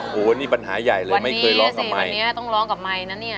อ๋อโหนี่ปัญหาใหญ่เลยไม่เคยร้องกับใหม่วันนี้ต้องร้องกับใหม่นะเนี่ย